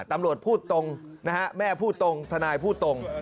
ตำรวจพูดตรงนะฮะแม่พูดตรงทนายพูดตรง